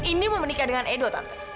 tante ini dia yang mau menikah dengan edo